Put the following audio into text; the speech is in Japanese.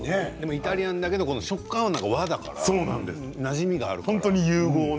イタリアンだけど食感は和だから、なじみがあるから。